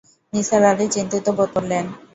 নিসার আলি চিন্তিত বোধ করলেন।